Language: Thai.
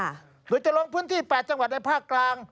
หรือจะลงพื้นที่๘จังหวัดในภาคกลาง